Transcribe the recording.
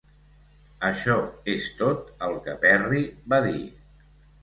Això és tot el que el Perry va dir.